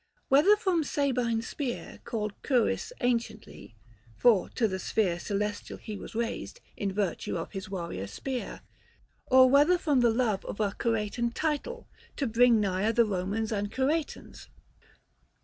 Whether from Sabine spear Called Curis anciently ; for to the sphere Celestial he was raised, in virtue of His warrior spear : or whether from the love Of a Curetan title, to bring nigher The Komans and Curetans.